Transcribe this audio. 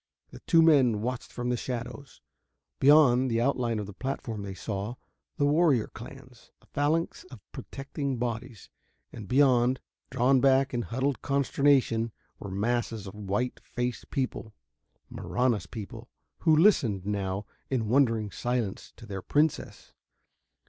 The two men watched from the shadows. Beyond the outline of the platform they saw the warrior clans, a phalanx of protecting bodies. And beyond, drawn back in huddled consternation, were masses of white faced people Marahna's people who listened, now, in wondering silence to their princess.